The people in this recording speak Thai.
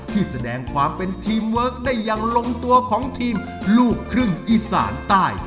ที่แสดงความเป็นทีมเวิร์คได้อย่างลงตัวของทีมลูกครึ่งอีสานใต้